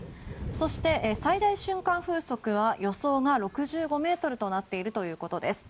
そして、最大瞬間風速の予想は６５メートルとなっているということです。